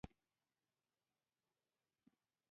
احمد زما کلک ملګری ده.